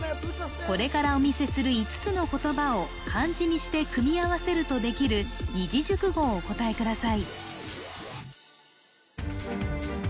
これからお見せする５つの言葉を漢字にして組み合わせるとできる二字熟語をお答えください